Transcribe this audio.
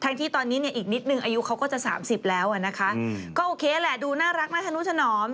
ก็โอเคแหละดูน่ารักน่าทนุชนอม